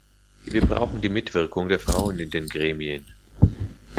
Wir brauchen die Mitwirkung der Frauen in den Gremien.